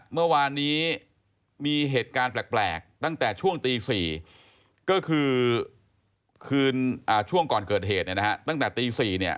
เมื่อวานนี้